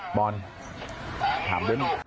ผมนถามเรื่องนี้